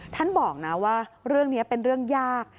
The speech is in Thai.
ท่านบอกนะว่าเรื่องนี้เป็นเรื่องยาก